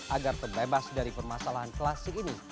agar terbebas dari permasalahan klasik ini